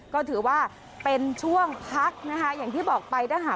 ก็ถือว่าเป็นช่วงพักนะคะอย่างที่บอกไปถ้าหาก